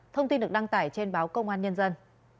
thông tin được đăng tải trên báo công an nhân dân